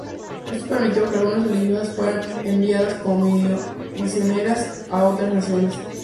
Esto permitió que algunas religiosas fuesen enviadas como misioneras a otras naciones.